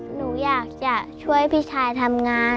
หนูอยากจะช่วยพี่ชายทำงาน